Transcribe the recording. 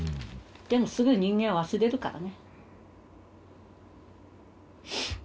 でもすぐ人間忘れるからね。